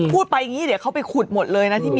พูดอย่างงี้เดี๋ยวเขาไปขุดหมดเลยนะ